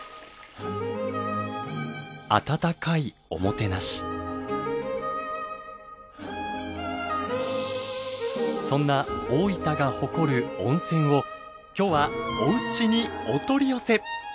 温かいそんな大分が誇る温泉を今日はおうちにお取り寄せ。